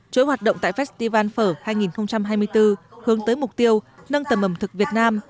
chỗ hoạt động tại festival phở hai nghìn hai mươi bốn hướng tới mục tiêu nâng tầm ẩm thực việt nam